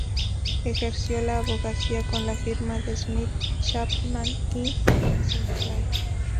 Ejerció la abogacía con la firma de Smith, Chapman y Sinclair.